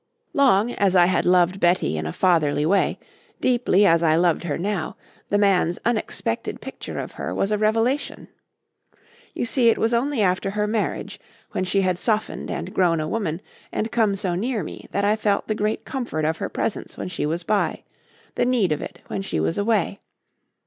Long as I had loved Betty in a fatherly way, deeply as I loved her now, the man's unexpected picture of her was a revelation. You see it was only after her marriage, when she had softened and grown a woman and come so near me that I felt the great comfort of her presence when she was by, the need of it when she was away.